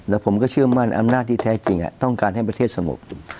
แล้วผมก็เชื่อมั่นอำนาจที่แท้จริงต้องการให้ประเทศสงบ